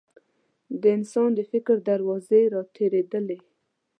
د انسان د فکر دروازې راتېرېدلې.